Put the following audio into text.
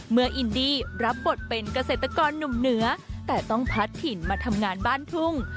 อินดี้รับบทเป็นเกษตรกรหนุ่มเหนือแต่ต้องพัดถิ่นมาทำงานบ้านทุ่ง